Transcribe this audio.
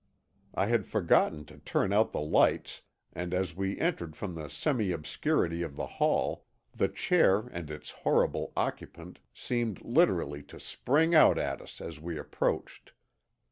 I had forgotten to turn out the lights and as we entered from the semi obscurity of the hall, the chair and its horrible occupant seemed literally to spring out at us as we approached.